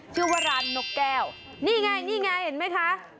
ชื่อว่าร้านนกแก้วนี่ไงนี่ไงเห็นไหมคะ